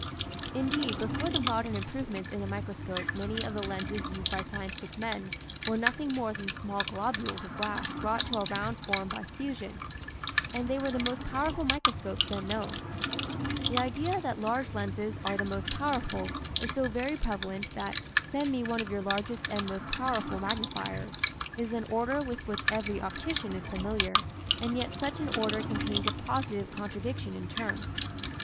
Indeed, before the modern improvements in the microscope many of the lenses used by scientific men were nothing more than small globules of glass brought to a round form by fusion. And they were the most powerful microscopes then known. THAT THE SERPENT HAS A STING IN ITS TAIL 199 The idea that large lenses are the most powerful is so very prevalent that "Send me one of your largest and most powerful magnifiers," is an order with which every optician is familiar, and yet such an order contains a positive con tradiction in terms.